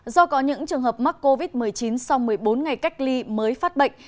do có những trường hợp mắc covid một mươi chín sau một mươi bốn ngày cách ly mới phát bệnh